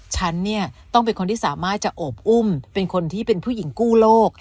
ฉันเนี่ยต้องเป็นคนที่สามารถจะโอบอุ้มเป็นคนที่เป็นผู้หญิงกู้โลก